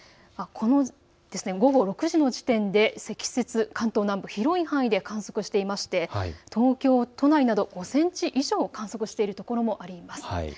午後６時の時点で積雪、関東南部広い範囲で観測していて東京都内など５センチ以上、観測しているところもあります。